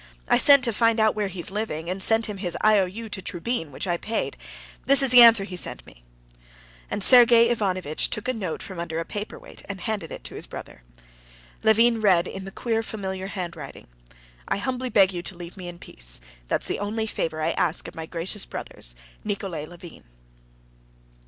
"I sent to find out where he is living, and sent him his IOU to Trubin, which I paid. This is the answer he sent me." And Sergey Ivanovitch took a note from under a paper weight and handed it to his brother. Levin read in the queer, familiar handwriting: "I humbly beg you to leave me in peace. That's the only favor I ask of my gracious brothers.—Nikolay Levin."